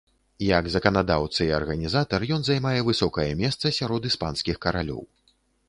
Як заканадаўца і арганізатар ён займае высокае месца сярод іспанскіх каралёў.